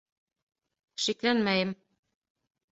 Шикләнмәйем